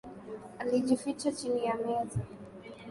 Walijificha chini ya meza.